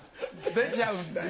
出ちゃうんだよ。